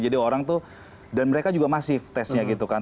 jadi orang tuh dan mereka juga masif tesnya gitu kan